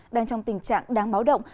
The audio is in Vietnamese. đang trong tình trạng đáng báo động